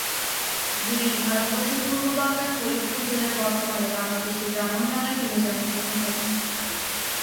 British ভারতবর্ষের পূর্ব বাংলার ফরিদপুর জেলার বর্তমানে বাংলাদেশের ব্রাহ্মণডাঙ্গায় তিনি জন্মগ্রহণ করেন।